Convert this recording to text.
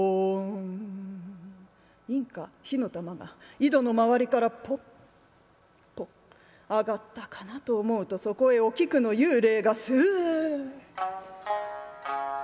陰火火の玉が井戸の周りからポッポッ上がったかなと思うとそこへお菊の幽霊がすっ。